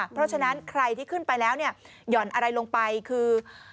เพราะฉะนั้นใครที่ขึ้นไปแล้วเนี่ยหย่อนอะไรลงไปคือ